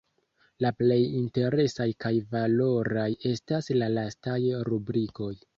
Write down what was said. La plej interesaj kaj valoraj estas la lastaj rubrikoj.